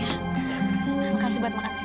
terima kasih buat makan siang